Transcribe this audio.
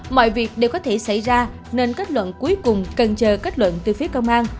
mọi việc đều có thể xảy ra nên kết luận cuối cùng cần chờ kết luận từ phía công an